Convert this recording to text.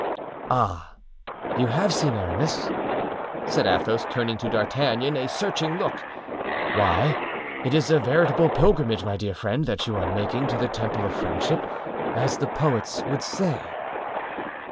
"Ah, you have seen Aramis?" said Athos, turning on D'Artagnan a searching look. "Why, it is a veritable pilgrimage, my dear friend, that you are making to the Temple of Friendship, as the poets would say."